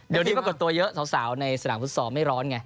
เดี๋ยวนี้ปรากฏตัวเยอะสาวในสนามฟุตซอลไม่ร้อนไง